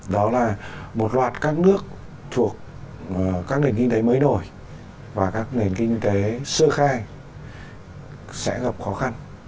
đó là một loạt các nước thuộc các nền kinh tế mới nổi và các nền kinh tế sơ khai sẽ gặp khó khăn